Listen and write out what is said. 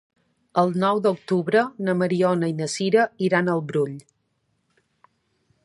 El nou d'octubre na Mariona i na Sira iran al Brull.